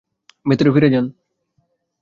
ভেতরে ফিরে যান।